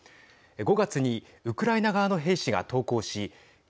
５月にウクライナ側の兵士が投降し２４００